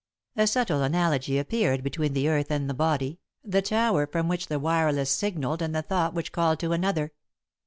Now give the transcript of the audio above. A subtle analogy appeared between the earth and the body, the tower from which the wireless signalled and the thought which called to another.